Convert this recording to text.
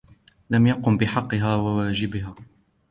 وَلَمْ يَقُمْ بِحَقِّهَا وَوَاجِبِهَا